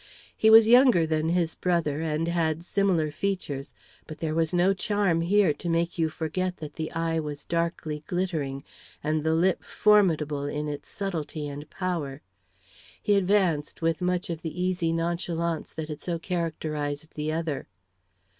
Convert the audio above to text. He was younger than his brother, and had similar features, but there was no charm here to make you forget that the eye was darkly glittering, and the lip formidable in its subtlety and power. He advanced with much of the easy nonchalance that had so characterized the other.